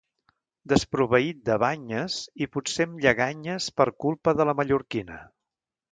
Desproveït de banyes, i potser amb lleganyes per culpa de la mallorquina.